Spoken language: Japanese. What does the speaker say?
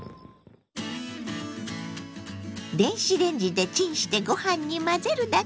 電子レンジでチンしてご飯に混ぜるだけ！